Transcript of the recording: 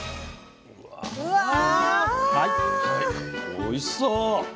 うわおいしそう！